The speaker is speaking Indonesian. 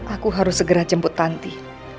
aku harus segera jemput tanti